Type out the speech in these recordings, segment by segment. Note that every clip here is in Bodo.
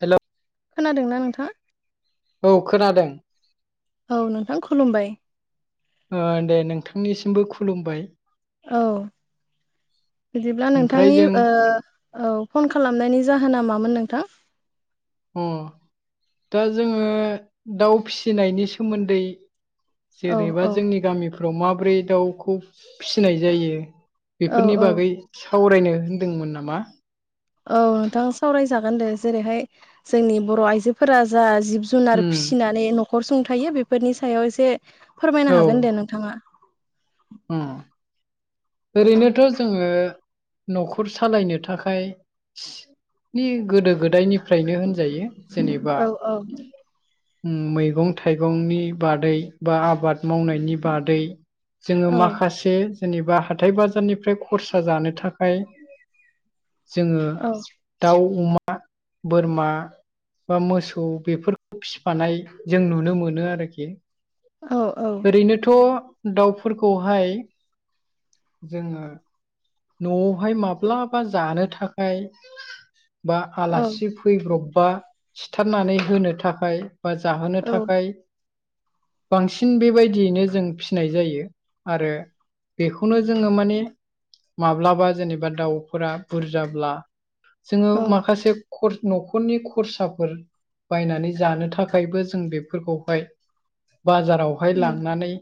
हेल' खोनादोंना नोंथाङा। औ खोनादों। औ नोंथां खुलुमबाय। दे नोंथांनिसिमबो खुलुमबाय। औ। बिदिब्ला ओमफ्राय नोंथांनि जों औ फन खालामनायनि जाहोना मा मोन नोंथां उम दा जोङो दाउ फिसिनायनि सोमोन्दै औ जेनेबा औ जोंनि गामिफ्राव माब्रै दाउखौ फिसिनाय जायो औ बेफोरनि औ बागै सावरायनो होनदोंमोन नामा औ नोंथां सावरायजागोन दे जेरैहाय जोंनि बर' आइजोफोरा जा जिब जुनार उम फिसिनानै न'खर सुंथायो बेफोरनि सायाव एसे फोरमायनो औ हागोन दे नोंथाङा ओरैनोथ' जोङो न'खर सालायनो थाखाय नि गोदो गोदायनिफ्रायनो होनजायो जेनेबा औ औ मैगं थाइगंनि बादै बा आबाद मावनायनि बादै जोङो औ माखासे जेनेबा ह हाथथाय बाजारनिफ्राय खरसा जानो थाखाय जोङो औ दाउ अमा बोरमा बा मोसौ बेफोरखौ फिसिफानाय जों नुनो मोनो आरोखि औ ओरैनोथ' दाउफोरखौहाय जोङो न'आवहाय माब्लाबा जानो थाखाय बा औ आलासि फैब्रबबा सिथारनानै होनो थाखाय बा जाहोनो थाखाय बांसिन बेबायदियैनो जों फिनाय जायो आरो बेखौनो जोङो माने माब्लाबा जेनेबा दाउफोरा बुरजाब्ला जोङो औ माखासे न'खरनि खरसाफोर बायनानै जानो थाखायबो जों बेफोरखौहाय बाजारावहाय औ लांनानै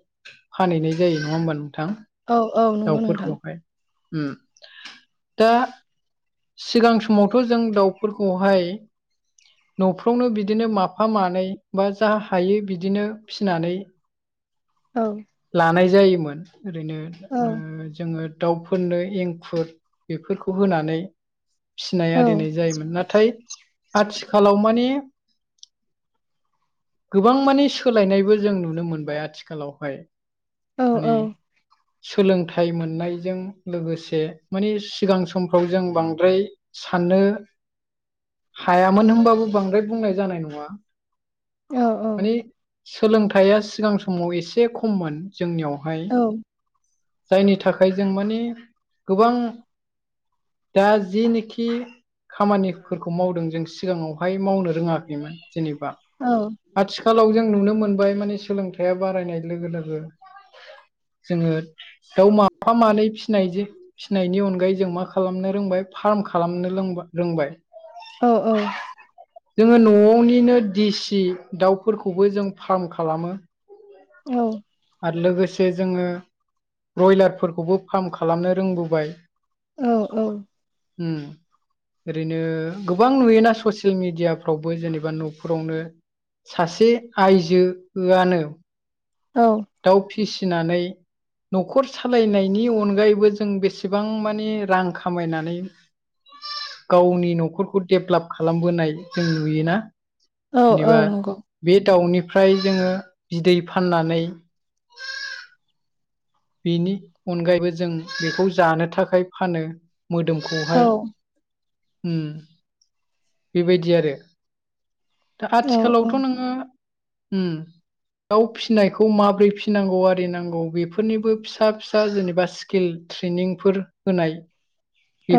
फानहैनाय जायो नङा होमबा थां औ औ नंगौ नोंथां दाउफोरखौहाय दा सिगां समावथ' जों दाउफोरखौहाय न'फ्रावनो बिदिनो माफा मानै बा जा हायो बिदिनो फिनानै औ लानाय जायोमोन ओरैनो औ ओ जोङो दाउफोरनो एंखुर बेफोरखौ होनानै फिनाय आरिनाय जायोमोन नाथाय आथिखालाव माने गोबां मानि सोलायनायबो जों नुनो मोनबाय आथिखालावहाय औ माने सोलोंथाइ मोननायजों लोगोसे माने सिगां समफ्राव जों बांद्राय साननो हायामोन होनबाबो बांद्राय बुंनाय जानाय नङा। औ मानि सोलोंथायाइया सिगां समाव एसे खममोन जोंनियाव हाय जायनि थाखाय जों माने गोबां दा जिनोखि खामानिफोरखौ मावदों जों सिगाङावहाय मावनो रोङाखैमोन जेनेबा आथिखालाव जों नुनो मोनबाय माने सोलोंथाइया बारायनाय लोगो लोगो जोङो दाउ माफा मानै फिनाय फिनायनि अनगायै जों मा खालामनो रोंबाय फार्म खालामनो लों-रोंबाय। औ औ जोङो न'आवनिनो दिसि दाउफोरखौबो जों फार्म खालामो। औ आरो लोगोसे जोङो ब्रयलारफोरखौबो फार्म खालामनो रोंबोबाय औ औ हम ओरैनो गोबां नुयोना ससियेल मिडियाफ्रावबो जेनेबा न'फोरावनो सासे आइजोआनो औ दाउ फिसिनानै न'खर सालायनायनि अनगायैबो जों बेसेबां मानि रां खामायनानै गावनि न'खरखौ डेभलाप खालामबोनाय जों नुयोना। औ औ जेनेबा नंगौ बे दाउनिफ्राय जोङो बिदै फा फाननानै बेनि अनगायैबो जों बेखौ जानो थाखाय फानो औ मोदोमखौहाय उम बेबायदि आरो दा औ आथिखालावथ' नोङो उम दाउ फिसिनायखौ माबोरै फिसिनांगौ आरिनांगौ बे फोरनिबो फिसा फिसा जेनेबा स्किल ट्रेनिंफोर होनाय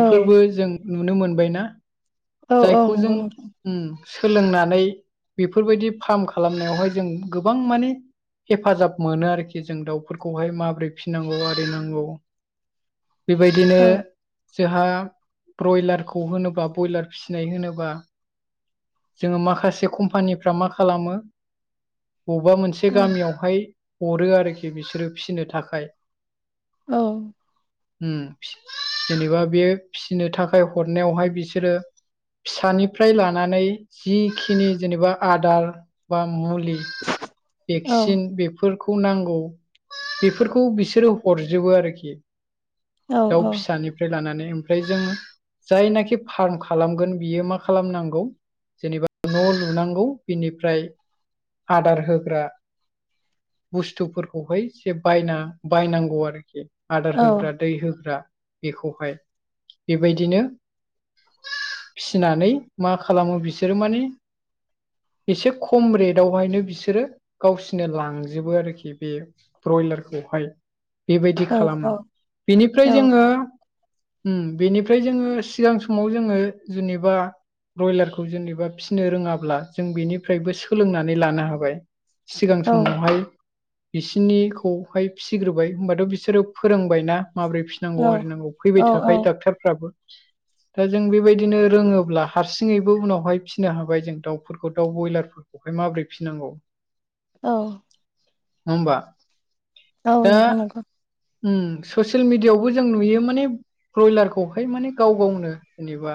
औ जों नुनो मोनबायना औ औ जायखौ जों नंगौ नोंथां उम सोलोंनानै बेफोर बायदि फार्म खालामनायावहाय जों गोबां माने हेफाजाब मोनो आरोखि जों दाउफोर खौहाय माबोरै फिसिनांगौ आरिनांगौ बेबायदिनो औ जोहा ब्रयलारखौ होनोबा ब्रयलार फिसिनाय होनोबा जोङो माखासे कम्पानिफ्रा मा खालामो बबेबा मोनसे औ गामियावहाय हरो आरोखि बिसोरो फिनो थाखाय औ उम जेनेबा बे फिसिनो थाखाय हरनायावहाय बिसोरो फिसानिफ्राय लानानै जिखिनि जेनेबा आदार बा मु औ भेक्सिन बेफोरखौ नांगौ बेफोरखौ बिसोरो हरजोबो आरोखि औ दाउ औ फिसानिफ्राय लानानै ओमफ्राय जोंङो जायनाखि फार्म खालामगोन बियो मा खालामनांगौ जेनेबा न' लुनांगौ बिनिफ्राय आदार होग्रा बुस्थुफोरखौहाय एसे बायना बायनांगौ आरोखि आदार होग्रा दै होग्रा बेखौहाय बेबायदिनो फिनानै मा खालामो बिसोरो माने एसे खम रेटवहायनो बिसोरो गावसोरनो लांजोबो आरोखि बे ब्रयलारखौहाय बेबायदि औ खालामो बेनिफ्राय जोङो बेनिफ्राय जोङो सिगां समाव जोङो जेनेबा ब्रयलारखौ जेनेबा फिसिनो रोङाब्ला जों बेनिफ्रायबो सोलोंनानै लानो हाबाय सिगां औ समावहाय बिसिनि खौहाय फिसिग्रोबाय होमबाथ' बिसोरो फोरोंबायना माबोरै फिसिनांगौ आरिनांगौ औ फैबाय थाखायो डक्टारफ्राबो दा जों बेबायदिनो रोङोब्ला हारसिङैबो उनावहाय फिसिनो हाबाय जों दाउफोरखौ दाउ बयलारफोरखौहाय ओमफ्राय माबोरै फिनांगौ औ नङा होमबा ओ दा नोंथां नंगौ ससियेल मिडियआवबो जों नुयो माने ब्रयलारखौहाय माने गाव गावनो जेनेबा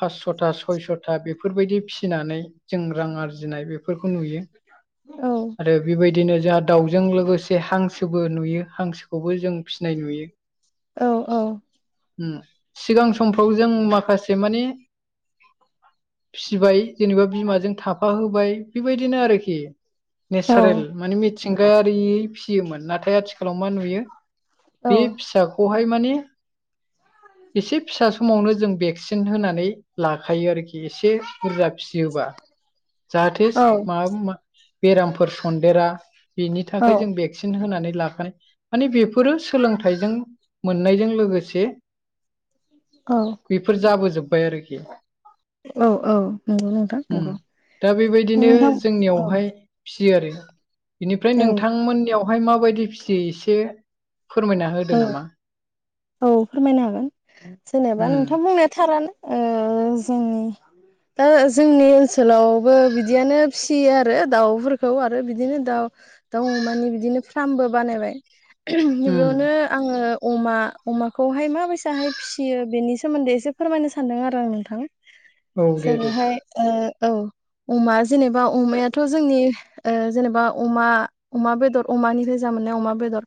पासस'था सयस'था बेफोरबायदि फिसिनानै जों रां आरजिनाय बे बेफोरखौ नुयो औ आरो बेबायदिनो जोंहा दाउजों लोगोसे जे हांसोबो नुयो हांसोखौबो जों फिसिनाय नुयो औ औ उ सिगां समफ्राव जों माखासे माने फिसिबाय जेनेबा बिमाजों थाफा होबाय बेबायदिनो आरोखि नेचारेल माने मिथिंगायारि फिसियोमोन नाथाय आथिखालाव मा नुयो बे फिसाखौहाय माने एसे फिसा समावनो जों भेक्सिन होनानै लाखायो आरोखि एसे बुरजा फिसियोबा जाहाथे औ म बेरामफोर सनदेरा बेनि थाखाय जों भेक्सिन होनानै लाखानाय माने बेफोरो सोलोंथाइजों मोननायजों लोगोसे औ बेफोर जाबोजोब्बाय आरोखि औ नंगौ नोंथां नंगौ दा बेबायदिनो नोंथां औ जोंनियावहाय फियो आरो बेनिफ्राय नोंथांमोननियावहाय माबायदि फिसियो एसे फोरमायना होदो औ नामा औ फोरमायनो हागोन जेनेबा उम नोंथां बुंनाय थालानो जोंनि दा जोंनि ओनसोलावबो बिदियानो फिसियो आरो दाउफोरखौ आरो बिदिनो दाउ दाउ अमानि बिदिनो फार्मबो बानायबाय उम बेयावनो आङो अमा अमाखौहाय माबायसाहाय फिसियो बेनि सोमोन्दै एसे फोरमायनो सानदों आरो आं नोंथां औ दे दे जेरोहाय औ अमा जेनेबा अमायाथ' जोंनि जेनेबा अमा अमा बेदर अमानिफ्राय जामोन नाय अमा बेदर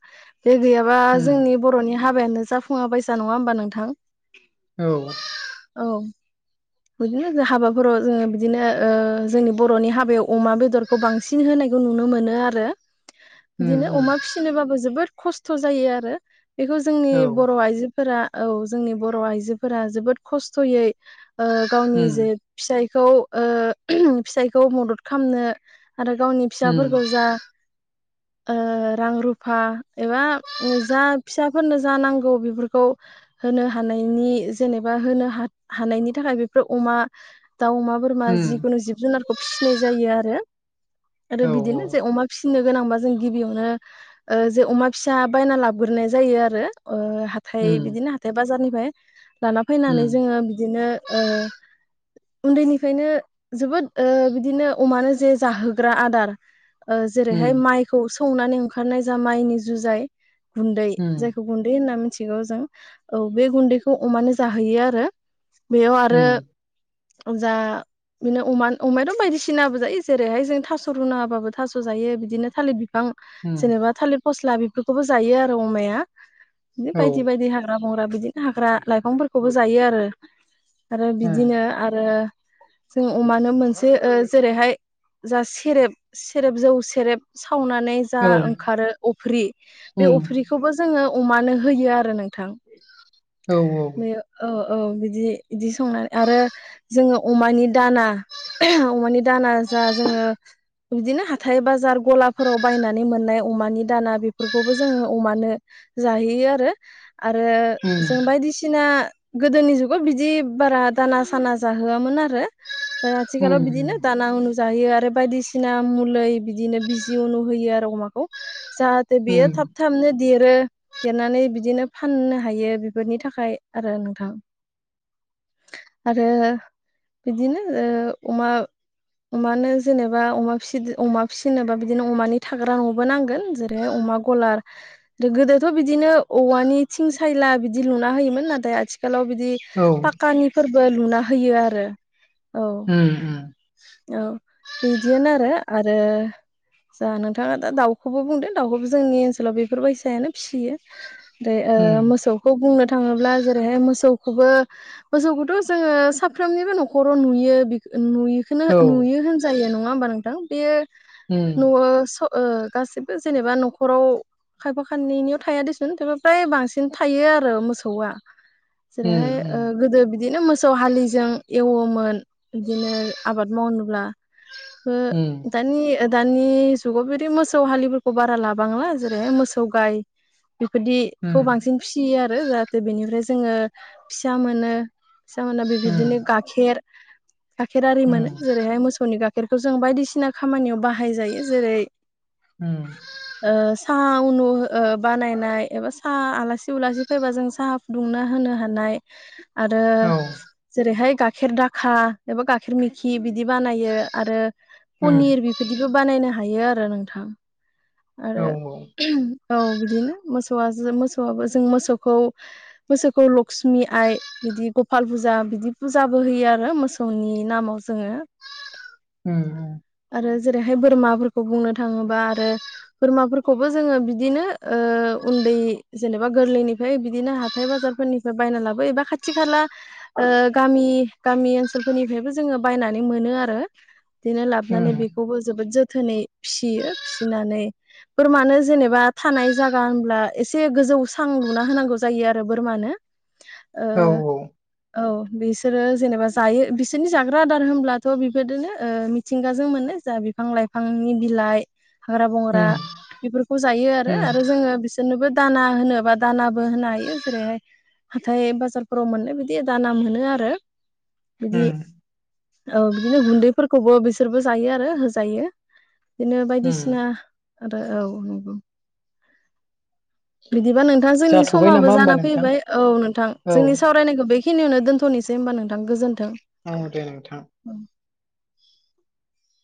बे गैयाबा उम जोंनि बर'नि हाबायानो जाफुङा बायसा नङा होमबा नोंथां औ बिदिनोों हाबाफोराव जोङो बिदिनो जोंनि बर'नि हाबायाव अमा बेदरखौ बांसिन होनायिर बेखौ नुनो मोनो आरो उम बिदिनो उम अमा फिसिनोबाबो जोबोद खस्थ' जायो आरो बेखौ जोंनि औ बर' आइजो फोर औ जोंनि बर' आइजोफोरा जोबोद खस्थ'यै गावनि उम जे फिसाय फिसायखौ मदद खालामनो आरो गावनि उम फिसाफोरखौ जा रां रुफा एबा जा फिसाफोरनो जा नांगौ बेफोरखौ होनो ह जेबा होन हानायनि नि थाखाय बेफोर अमा दाउ अमा बोरमा उम जिखुनु जिब जुनारखौ फिसिनाय जायो आरो आरो औ बिदिनो जों अमा फिसि नो गोनांबा जों गिबियावनो जे अमा फिसा बायना लाबग्रोनाय जायो आरो हाथाय उम बिदिनो हाथाय बाजारनिफ्राय लाना फैनानै उम जोङो बिदिनो ओ [inaudible] उन्दैनिफ्रायनो जोबोद बिदिनो अमानो जे जाहोग्रा आदार उम जेरैहाय माइखौ सौनानै ओंखारनाय जा माइनि जुजाय गुन्दै उम जायखौ गुन्दै होनना मिथिगौ जों औ बे गुन्दैखौ अमानो जाहैयो आरो बेयाव आरो उम जा बिदिनो अमान अमायाथ' बायदिसिनाबो जायो जेरैहाय जों थास' रुना होबाबो थास' जायो बिदिनो थालिर बि बिफां उम जेनेबा थालिर फस्ला बेफोरखौबो जायो आरो अमाया बि औ बायदि बायदि हाग्रा बंग्रा बिदिनो हाग्रा लाइफांफोरखौबो जायो आरो आरो उम बिदिनो आरो जों अमानो मोनसे जेरैहाय जा सेरेब सेरेब जौ सेरेब खावनानै जा औ उम ओंखारो अफ्रि बे अफ्रिखौबो जोङो अमानो होयो आरो नोंथां औ उम औ उम औ उम बे औ-औ बिदि बिदि संनानै आरो जोङो अमानि दाना अमानि दाना जा जोङो बिदिनो हाथाय बाजार गलाफोराव बायनानै मोननाय अमानि दाना बेफोरखौबो जोङो अमानो जाहैयो आरो आरो जों बायदिसिना गोदोनि जुगाव बिदि बारा दाना साना जाहोआमोन आरो आथिखालाव बिदिनो दाना उनु जायो आरो बायदिसिना मुलि बिदिनो बिजि उनु होयो आरो अमाखौ जाहाथे बियो थाब थाबनो देरो देरनानै बिदिनो फाननो हायो बेफोरनि थाखाय आरो नोंथां। [inaudible] आरो बिदिनो ओ अमा अमानो जेनेबा अमा फि अमा फिसिनोबा बिदिनो अमानि थाग्रा न'बो नांगोन जेरैहाय अमा गलार गोदोथ' बिदिनो औवानि थिं सायला बिदि लुना होयोमोन नाथाय आथिखाल आथिखालाव बिदि पाकानिफोरबो लुना होयो आरो। औ औ बिदियानो आरो आरो जा नोंथाङा दा दाउखौबो बुंदों दाउखौबो जोंनि ओनसोलाव बेफोरबायसायानो फिसियो। जे उम ओ मोसौखौ बुंनो थाङोब्ला जेरैहाय मोसौखौबो मोसौखौथ' जोङो साफ्रोमनिबो न'खराव नुयो नुयिखोनो नुयो होनजायो नङ नङा होमबा नोंथां बेयो न' गासिबो जेनेबा न'खराव खायफा खाननैनियाव थाया दसन एफा फ्राय बांसिन थायो आरो मोसौआ। जेरैहाय ओ गोदो बिदिनो मोसौ हालिजों एवोमोन ओ बिदिनो आबाद मावनोब्ला ओ दानि दानि जुगाव बिदि मोसौ हालिफोरखौ बारा लाबांला जेरै मोसौ गाय बेफोरदिखौ बांसिन फिसियो आरो जाहाथे बेनिफ्राय जोङो फिसा मोनो। बिथांमोना बेबायदिनो गाइखेर गाइखेर आरि मोनो जेरैहाय मोसौनि गा गाइखेरखौ जों बायदिसिना खामानियाव बाहाय जायो जेरै उम‌ [inaudible] ओ साहा उनु ओ बानायनाय एबा साहा आलासि उलासि फैबा जों साहा फुदुंना होनो हानाय। आरो औ उम औ जेरैहाय गा गाइखेर दाखा एबा गाइखेर मिखि बिदि बानायो आरो उम पनिर औ बेबायदिबो बानायनो हायो आरो नोंथां। आरो औ बिदिनो मोसौ मोसौ मोसौआबो जों मोसौखौ मोसौखौ लक्ष्मि आइ बिदि गपाल फुजा बिदि फुजाबो होयो आरो मोसौनि नामाव जोङो। ओम ओम आरो जेरैहाय बोरमाफोरखौ बुंनो थाङोबा आरो बोरमाफोरखौबो जोङो बिदिनो ओ उन्दै जेनेबा गोरलैनिफ्राय बिदिनो हाथाय बाजारफोरनिफ्राय बायना लाबो एबा खाथि खाथि खाला ओ गामि गामि ओनसोलफोरनिफ्रायबो जोङो बायनानै मोनो। आरो बिदिनो लाबनानै बेखौबो जोबोद जो थोनै फिसियो फिसिनानै बोरमानो जेनेबा थानाय जायगा होनब्ला एसे जौ स्रां लुना होनांगौ जायो आरो बोरमानो। ओ औ औ औ बिसोरो जेनेबा जायो बिसोरनि जाग्रा आदार होनब्लाथ' बेबायदिनो ओ मिथिंगाजों मोनो। जा बिफां लाइफांनि बिलाइ हाग्रा बंग्रा उम बेफोरखौ जायो आरो उम आरो जोङो बिसोरनोबो दाना होनोबा दानाबो होनो हायो जेरैहाय हाथाय बाजार फ्राव मोननाय बिदि दाना मोनो आरो बिदि उम औ बिदिनो गुन्दैफोरखौबो बिसोरबो जायो आरो होजायो। बिदिनो उम बायदिसिना आरो औ बिदिबा नोंथां जोंनि जाथ'बाय समाबो नामा होमबा जाना नोंथां फैबाय औ नोंथां औ जोंनि सावरायनायखौ बेखिनि खिनियाव दोनथनोसै होनबा नोंथां गोजोन औ दे नोंथां। [inaudible]